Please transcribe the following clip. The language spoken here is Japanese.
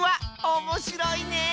おもしろいね！